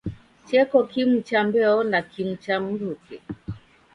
Cheko kimu cha mbeo na kimu cha mruke.